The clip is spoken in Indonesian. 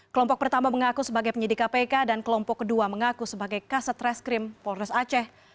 kelompok pertama mengaku sebagai penyidik kpk dan kelompok kedua mengaku sebagai kaset reskrim polres aceh